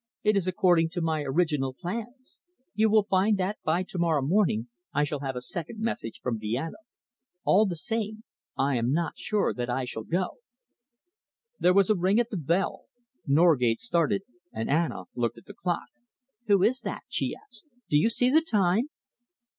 It is according to my original plans. You will find that by to morrow morning I shall have a second message from Vienna. All the same, I am not sure that I shall go." There was a ring at the bell. Norgate started, and Anna looked at the clock. "Who is that?" she asked. "Do you see the time?"